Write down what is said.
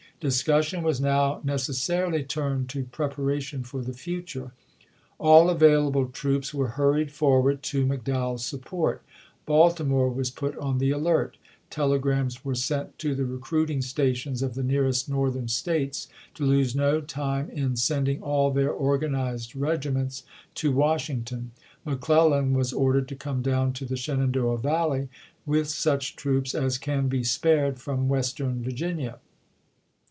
Discussion was now neces sarily turned to preparation for the future. All available troops were hurried forward to Mc Dowell's support ; Baltimore was put on the alert ; telegrams were sent to the recruiting stations of the nearest Northern States to lose no time in sending all their organized regiments to Washing ?oMccM ton; McClellan was ordered to "come down to the ^2°'i86if Shenandoah Valley with such troops as can be ri.,p. 749.* spared from Western Virginia."